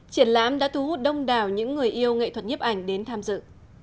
triển lãm đã thu hút đông đảo những người yêu nghệ thuật nhiếp ảnh đến tham dự